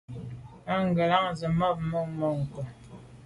Ngelan ze me na’ mbe mônke’.